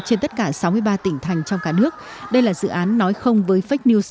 trên tất cả sáu mươi ba tỉnh thành trong cả nước đây là dự án nói không với fake news